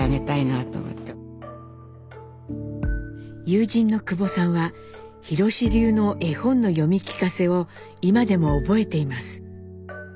友人の久保さんは弘史流の絵本の読み聞かせを今でも覚えています。